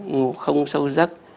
ngủ không sâu giấc